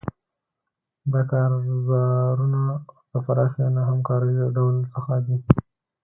دا کارزارونه د پراخې نه همکارۍ له ډول څخه دي.